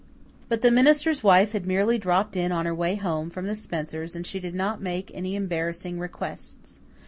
But the minister's wife had merely dropped in on her way home from the Spencers' and she did not make any embarrassing requests.